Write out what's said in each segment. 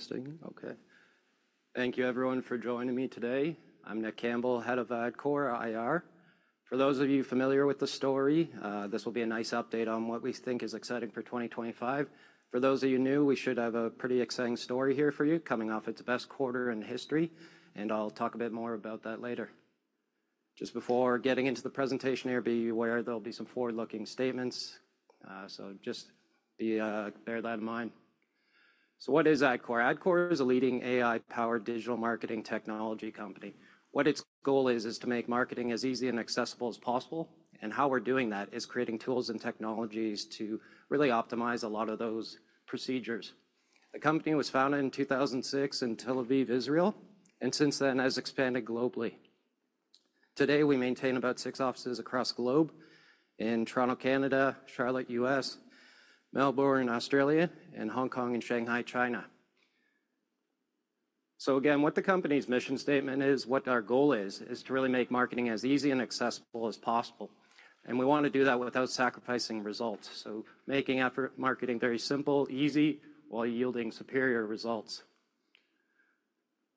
Testing. Okay. Thank you, everyone, for joining me today. I'm Nick Campbell, Head of Adcore IR. For those of you familiar with the story, this will be a nice update on what we think is exciting for 2025. For those of you new, we should have a pretty exciting story here for you coming off its best quarter in history, and I'll talk a bit more about that later. Just before getting into the presentation here, be aware there'll be some forward-looking statements, so just bear that in mind. What is Adcore? Adcore is a leading AI-powered digital marketing technology company. What its goal is, is to make marketing as easy and accessible as possible, and how we're doing that is creating tools and technologies to really optimize a lot of those procedures. The company was founded in 2006 in Tel Aviv, Israel, and since then has expanded globally. Today, we maintain about six offices across the globe in Toronto, Canada, Charlotte, U.S., Melbourne, Australia, and Hong Kong and Shanghai, China. What the company's mission statement is, what our goal is, is to really make marketing as easy and accessible as possible, and we want to do that without sacrificing results. Making effort marketing very simple, easy, while yielding superior results.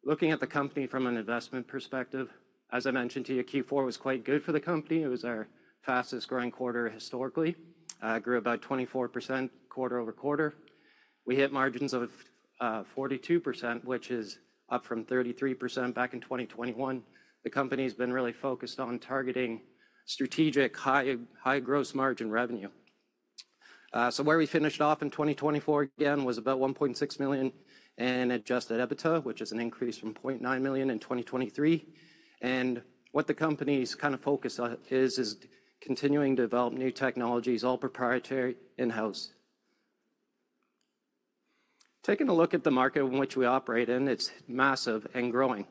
Looking at the company from an investment perspective, as I mentioned to you, Q4 was quite good for the company. It was our fastest growing quarter historically. It grew about 24% quarter-over-quarter. We hit margins of 42%, which is up from 33% back in 2021. The company's been really focused on targeting strategic high gross margin revenue. Where we finished off in 2024, again, was about 1.6 million in adjusted EBITDA, which is an increase from 0.9 million in 2023. What the company's kind of focus is, is continuing to develop new technologies, all proprietary in-house. Taking a look at the market in which we operate in, it's massive and growing.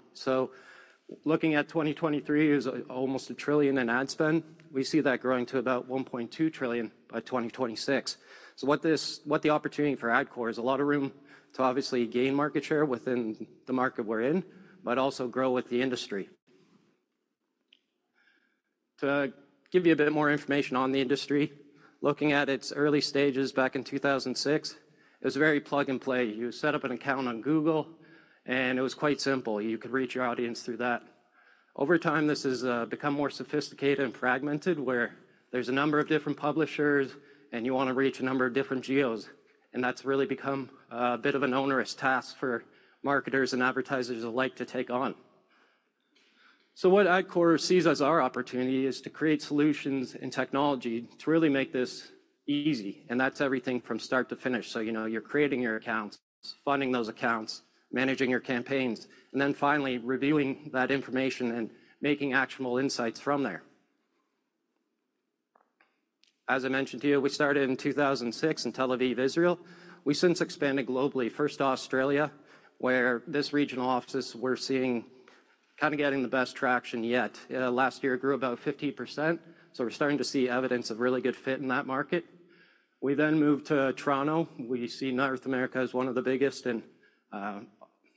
Looking at 2023, it was almost 1 trillion in ad spend. We see that growing to about 1.2 trillion by 2026. What the opportunity for Adcore is, a lot of room to obviously gain market share within the market we're in, but also grow with the industry. To give you a bit more information on the industry, looking at its early stages back in 2006, it was very plug and play. You set up an account on Google, and it was quite simple. You could reach your audience through that. Over time, this has become more sophisticated and fragmented, where there's a number of different publishers, and you want to reach a number of different geos, and that's really become a bit of an onerous task for marketers and advertisers alike to take on. What Adcore sees as our opportunity is to create solutions and technology to really make this easy, and that's everything from start to finish. You're creating your accounts, funding those accounts, managing your campaigns, and then finally reviewing that information and making actionable insights from there. As I mentioned to you, we started in 2006 in Tel Aviv, Israel. We since expanded globally, first to Australia, where this regional office we're seeing kind of getting the best traction yet. Last year, it grew about 50%, so we're starting to see evidence of really good fit in that market. We then moved to Toronto. We see North America as one of the biggest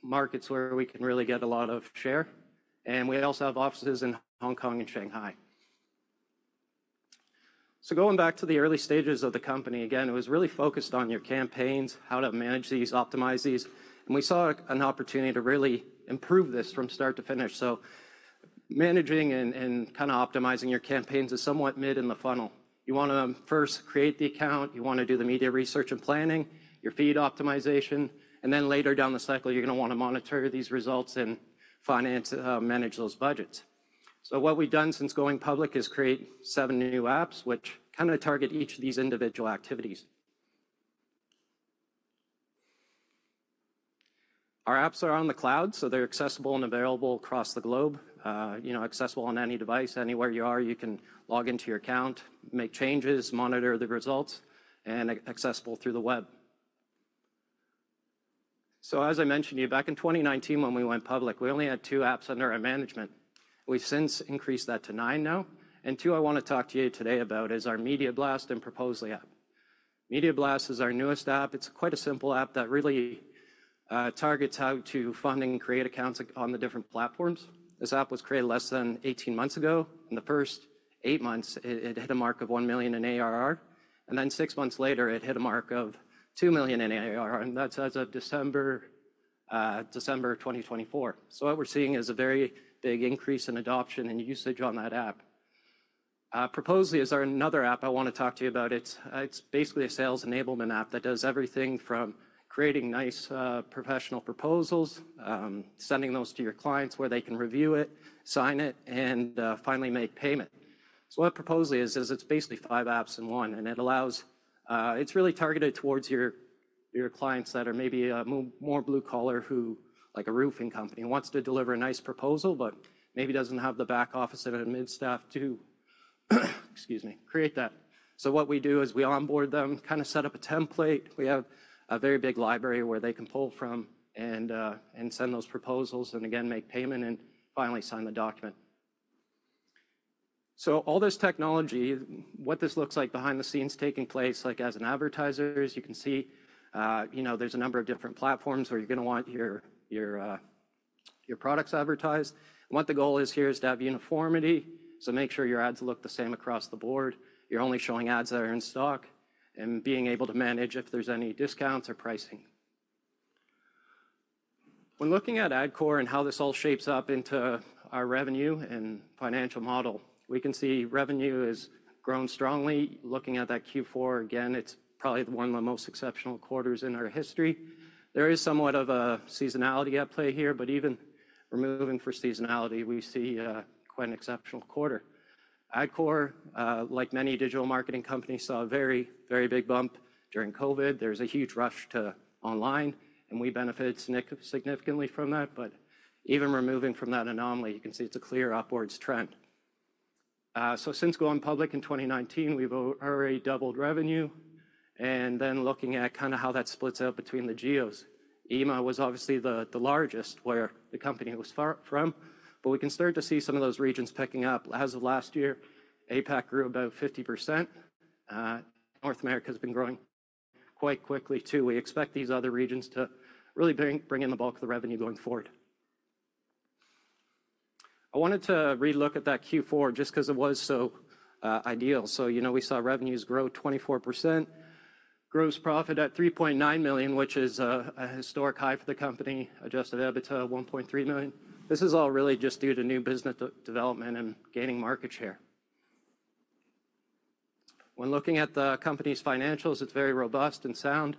markets where we can really get a lot of share, and we also have offices in Hong Kong and Shanghai. Going back to the early stages of the company, again, it was really focused on your campaigns, how to manage these, optimize these, and we saw an opportunity to really improve this from start to finish. Managing and kind of optimizing your campaigns is somewhat mid in the funnel. You want to first create the account, you want to do the media research and planning, your feed optimization, and then later down the cycle, you're going to want to monitor these results and finance, manage those budgets. What we've done since going public is create seven new apps, which kind of target each of these individual activities. Our apps are on the cloud, so they're accessible and available across the globe, accessible on any device, anywhere you are. You can log into your account, make changes, monitor the results, and accessible through the web. As I mentioned to you, back in 2019, when we went public, we only had two apps under our management. We've since increased that to nine now, and two I want to talk to you today about is our Media Blast and Proposaly app. Media Blast is our newest app. It's quite a simple app that really targets how to fund and create accounts on the different platforms. This app was created less than 18 months ago. In the first eight months, it hit a mark of 1 million in ARR, and then six months later, it hit a mark of 2 million in ARR, and that's as of December 2024. What we're seeing is a very big increase in adoption and usage on that app. Proposaly is another app I want to talk to you about. It's basically a sales enablement app that does everything from creating nice professional proposals, sending those to your clients where they can review it, sign it, and finally make payment. What Proposaly is, is it's basically five apps in one, and it allows—it's really targeted towards your clients that are maybe more blue-collar who, like a roofing company, wants to deliver a nice proposal, but maybe doesn't have the back office and a mid-staff to create that. What we do is we onboard them, kind of set up a template. We have a very big library where they can pull from and send those proposals, and again, make payment and finally sign the document. All this technology, what this looks like behind the scenes taking place, like as an advertiser, as you can see, there's a number of different platforms where you're going to want your products advertised. What the goal is here is to have uniformity, so make sure your ads look the same across the board. You're only showing ads that are in stock and being able to manage if there's any discounts or pricing. When looking at Adcore and how this all shapes up into our revenue and financial model, we can see revenue has grown strongly. Looking at that Q4, again, it's probably one of the most exceptional quarters in our history. There is somewhat of a seasonality at play here, but even removing for seasonality, we see quite an exceptional quarter. Adcore, like many digital marketing companies, saw a very, very big bump during COVID. There's a huge rush to online, and we benefited significantly from that, but even removing from that anomaly, you can see it's a clear upwards trend. Since going public in 2019, we've already doubled revenue, and then looking at kind of how that splits out between the geos. EMEA was obviously the largest where the company was from, but we can start to see some of those regions picking up. As of last year, APAC grew about 50%. North America has been growing quite quickly too. We expect these other regions to really bring in the bulk of the revenue going forward. I wanted to relook at that Q4 just because it was so ideal. We saw revenues grow 24%, gross profit at 3.9 million, which is a historic high for the company, adjusted EBITDA 1.3 million. This is all really just due to new business development and gaining market share. When looking at the company's financials, it's very robust and sound.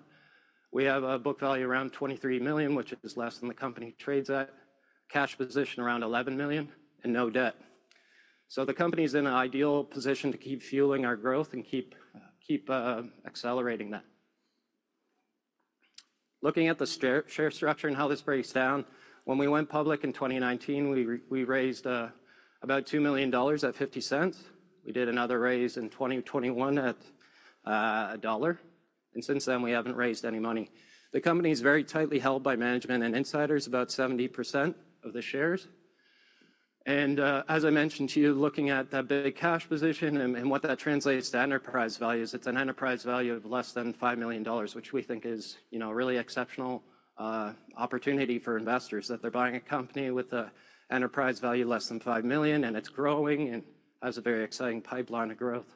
We have a book value around 23 million, which is less than the company trades at, cash position around 11 million, and no debt. The company's in an ideal position to keep fueling our growth and keep accelerating that. Looking at the share structure and how this breaks down, when we went public in 2019, we raised about 2 million dollars at 0.50. We did another raise in 2021 at CAD 1, and since then, we haven't raised any money. The company's very tightly held by management and insiders, about 70% of the shares. As I mentioned to you, looking at that big cash position and what that translates to enterprise values, it's an enterprise value of less than 5 million dollars, which we think is a really exceptional opportunity for investors that they're buying a company with an enterprise value less than 5 million, and it's growing and has a very exciting pipeline of growth.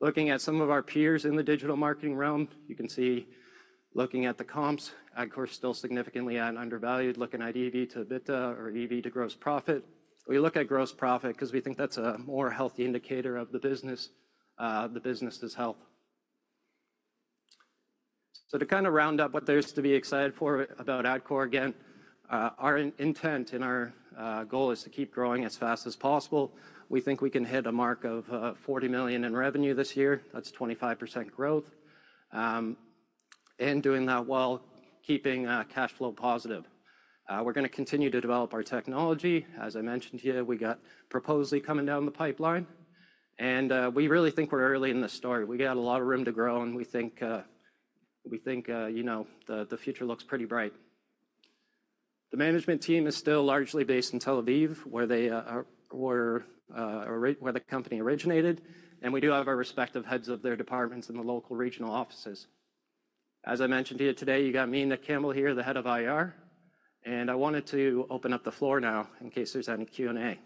Looking at some of our peers in the digital marketing realm, you can see looking at the comps, Adcore is still significantly undervalued. Looking at EV to EBITDA or EV to gross profit, we look at gross profit because we think that's a more healthy indicator of the business, the business's health. To kind of round up what there is to be excited for about Adcore, again, our intent and our goal is to keep growing as fast as possible. We think we can hit a mark of 40 million in revenue this year. That's 25% growth. Doing that while keeping cash flow positive. We're going to continue to develop our technology. As I mentioned to you, we got Proposaly coming down the pipeline, and we really think we're early in the story. We got a lot of room to grow, and we think the future looks pretty bright. The management team is still largely based in Tel Aviv, where the company originated, and we do have our respective heads of their departments in the local regional offices. As I mentioned to you today, you got me, Nick Campbell here, the Head of IR, and I wanted to open up the floor now in case there's any Q&A.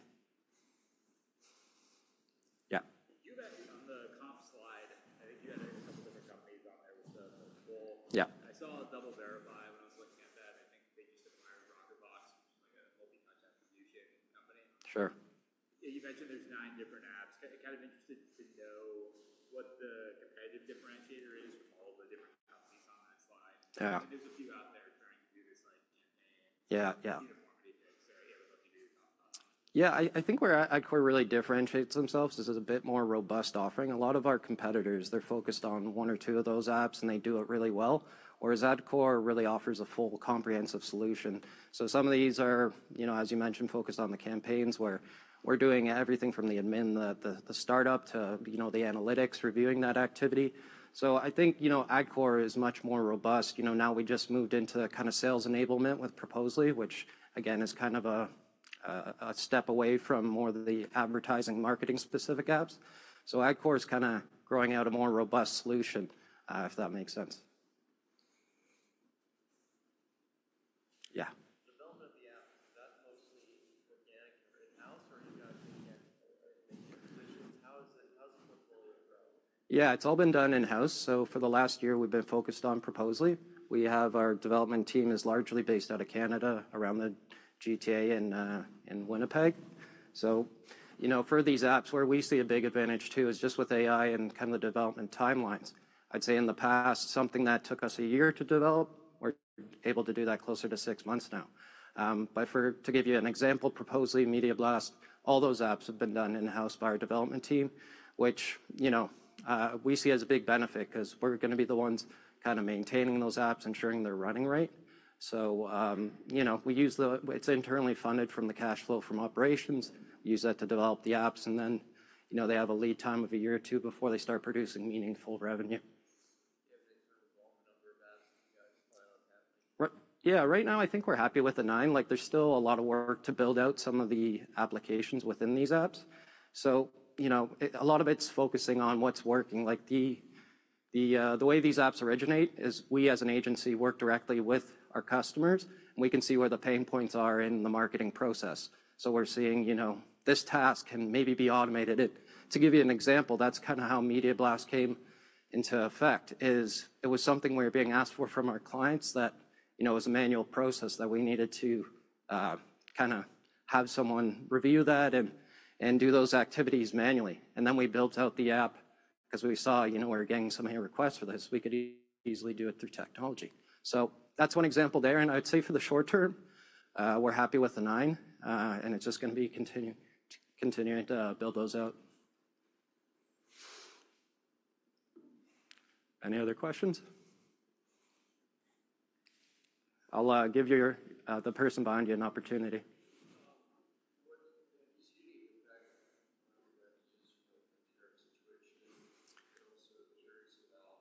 whereas Adcore really offers a full comprehensive solution. Some of these are, as you mentioned, focused on the campaigns where we're doing everything from the admin, the startup, to the analytics, reviewing that activity. I think Adcore is much more robust. Now we just moved into kind of sales enablement with Proposaly, which again is kind of a step away from more of the advertising marketing specific apps. Adcore is kind of growing out a more robust solution, if that makes sense. Yeah. Development of the app, is that mostly organic and in-house, or are you guys looking at making acquisitions? How's the portfolio grown? Yeah, it's all been done in-house. For the last year, we've been focused on Proposaly. We have our development team largely based out of Canada around the GTA and Winnipeg. For these apps, where we see a big advantage too is just with AI and kind of the development timelines. I'd say in the past, something that took us a year to develop, we're able to do that closer to six months now. To give you an example, Proposaly, Media Blast, all those apps have been done in-house by our development team, which we see as a big benefit because we're going to be the ones kind of maintaining those apps, ensuring they're running right. We use the, it's internally funded from the cash flow from operations, use that to develop the apps, and then they have a lead time of a year or two before they start producing meaningful revenue. Do you have any sort of involvement number of apps that you guys plan on having? Yeah, right now I think we're happy with the nine. There's still a lot of work to build out some of the applications within these apps. A lot of it's focusing on what's working. The way these apps originate is we, as an agency, work directly with our customers, and we can see where the pain points are in the marketing process. We're seeing this task can maybe be automated. To give you an example, that's kind of how Media Blast came into effect, is it was something we were being asked for from our clients that was a manual process that we needed to kind of have someone review that and do those activities manually. Then we built out the app because we saw we were getting so many requests for this, we could easily do it through technology. That's one example there. I'd say for the short term, we're happy with the nine, and it's just going to be continuing to build those out. Any other questions? I'll give the person behind you an opportunity. What's the community impact on the revenue tariff situation? Also curious about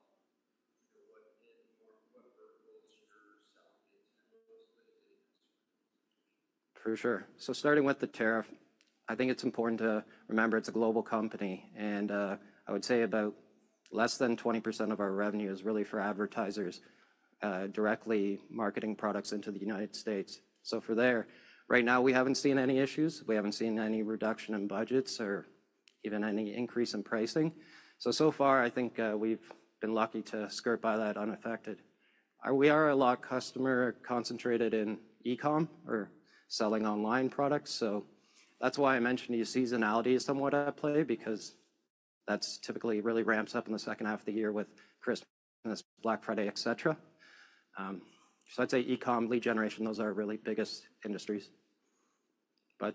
what verticals your selling intent was related to the current situation. For sure. Starting with the tariff, I think it's important to remember it's a global company, and I would say about less than 20% of our revenue is really for advertisers directly marketing products into the United States. For there, right now we haven't seen any issues. We haven't seen any reduction in budgets or even any increase in pricing. So far, I think we've been lucky to skirt by that unaffected. We are a lot customer concentrated in e-comm or selling online products. That's why I mentioned the seasonality is somewhat at play because that typically really ramps up in the second half of the year with Christmas, Black Friday, etc. I'd say e-comm, lead generation, those are our really biggest industries.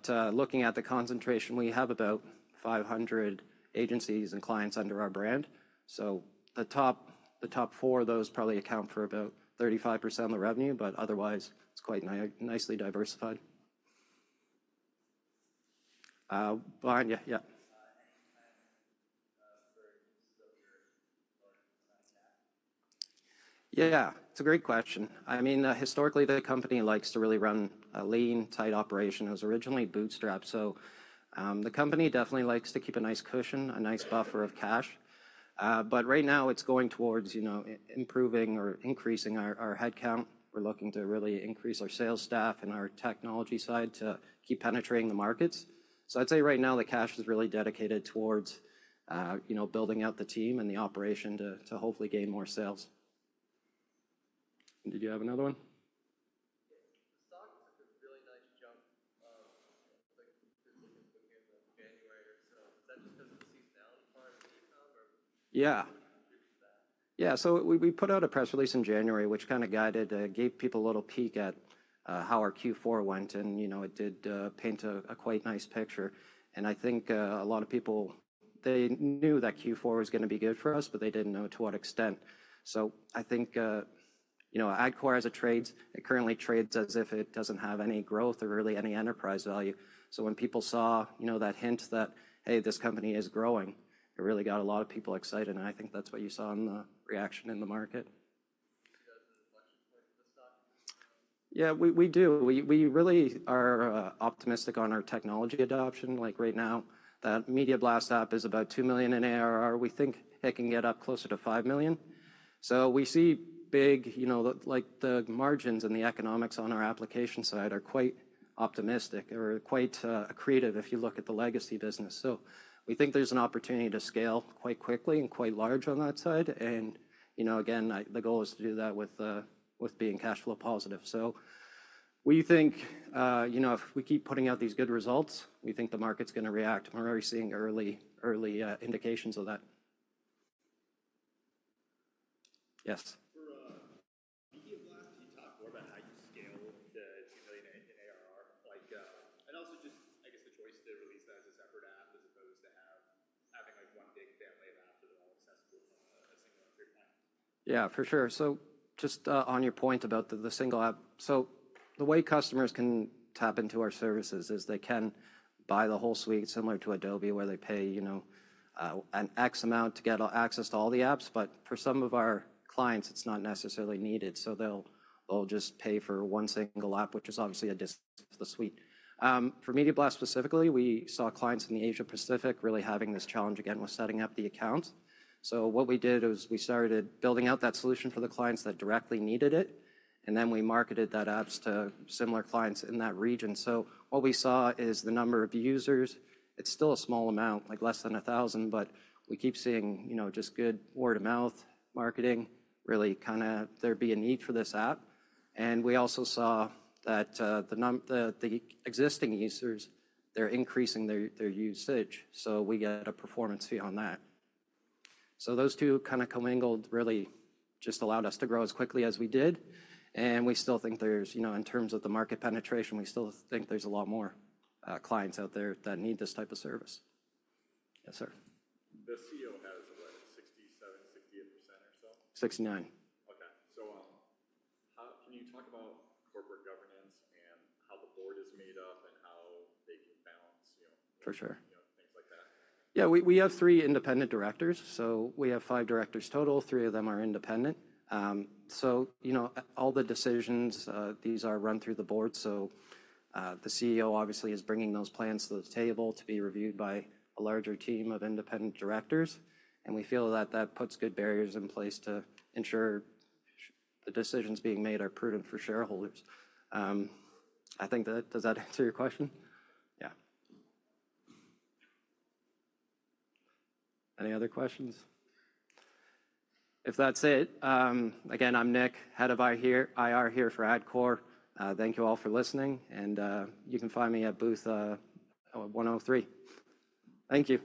Looking at the concentration, we have about 500 agencies and clients under our brand. The top four of those probably account for about 35% of the revenue, but otherwise it's quite nicely diversified. Behind you, yeah. Any kind of firms that you're running besides that? Yeah, it's a great question. I mean, historically, the company likes to really run a lean, tight operation. It was originally bootstrapped. The company definitely likes to keep a nice cushion, a nice buffer of cash. Right now, it's going towards improving or increasing our headcount. We're looking to really increase our sales staff and our technology side to keep penetrating the markets. I'd say right now, the cash is really dedicated towards building out the team and the operation to hopefully gain more sales. Did you have another one? Stock took a really nice jump in January or so. Is that just because of the seasonality part of the e-comm, or? Yeah. Yeah, we put out a press release in January, which kind of gave people a little peek at how our Q4 went, and it did paint a quite nice picture. I think a lot of people, they knew that Q4 was going to be good for us, but they did not know to what extent. I think Adcore as it trades, it currently trades as if it does not have any growth or really any enterprise value. When people saw that hint that, hey, this company is growing, it really got a lot of people excited, and I think that is what you saw in the reaction in the market. Do you have a reflection point for the stock? Yeah, we do. We really are optimistic on our technology adoption. Like right now, that Media Blast app is about 2 million in ARR. We think it can get up closer to 5 million. We see big, like the margins and the economics on our application side are quite optimistic or quite accretive if you look at the legacy business. We think there's an opportunity to scale quite quickly and quite large on that side. The goal is to do that with being cash flow positive. We think if we keep putting out these good results, we think the market's going to react. We're already seeing early indications of that. Yes. For Media Blast, can you talk more about how you scale to CAD 2 million in ARR? Also, just, I guess, the choice to release that as a separate app as opposed to having one big family of apps that are all accessible from a single entry point. Yeah, for sure. Just on your point about the single app, the way customers can tap into our services is they can buy the whole suite similar to Adobe where they pay an X amount to get access to all the apps. For some of our clients, it's not necessarily needed, so they'll just pay for one single app, which is obviously a disadvantage of the suite. For Media Blast specifically, we saw clients in the Asia-Pacific really having this challenge again with setting up the accounts. What we did was we started building out that solution for the clients that directly needed it, and then we marketed that app to similar clients in that region. What we saw is the number of users, it's still a small amount, like less than 1,000, but we keep seeing just good word of mouth marketing, really kind of there being a need for this app. We also saw that the existing users, they're increasing their usage. We get a performance fee on that. Those two kind of co-mingled really just allowed us to grow as quickly as we did. We still think there's, in terms of the market penetration, we still think there's a lot more clients out there that need this type of service. Yes, sir. The CEO has what, 67%, 68% or so? 69. Okay. Can you talk about corporate governance and how the board is made up and how they can balance things like that? For sure. Yeah, we have three independent directors. We have five directors total. Three of them are independent. All the decisions, these are run through the board. The CEO obviously is bringing those plans to the table to be reviewed by a larger team of independent directors. We feel that that puts good barriers in place to ensure the decisions being made are prudent for shareholders. I think that does that answer your question? Yeah. Any other questions? If that's it, again, I'm Nick, head of IR here for Adcore. Thank you all for listening, and you can find me at booth 103. Thank you.